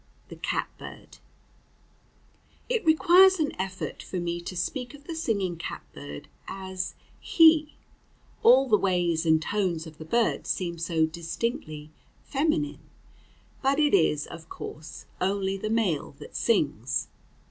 THE CATBIRD It requires an effort for me to speak of the singing catbird as he; all the ways and tones of the bird seem so distinctly feminine. But it is, of course, only the male that sings.